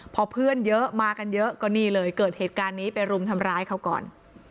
พอเพื่อนเยอะมากันเยอะก็นี่เลยเกิดเหตุการณ์นี้ไปรุมทำร้ายเขาก่อน